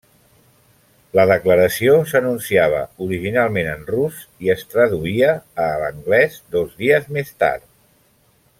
La declaració s'anunciava originalment en rus i es traduïa a anglès dos dies més tard.